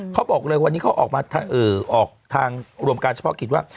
เขาบอกเลยวันนี้เขาออกมาออกทางรวมการเฉพาะกิจว่า